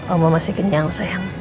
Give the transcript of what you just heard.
oma masih kenyang sayang